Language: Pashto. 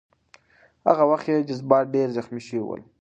هغه وخت یې جذبات ډېر زخمي شوي ول.